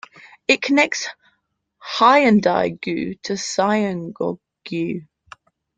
It connects Haeundae-gu to Suyeong-gu.